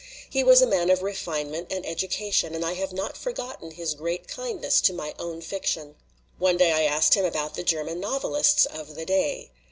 He was a man of refinement and education, and I have not forgotten his great kindness to my own fiction. One day I asked him about the German novelists of the day.